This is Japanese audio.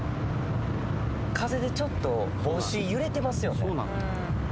風でちょっと帽子揺れてますよね。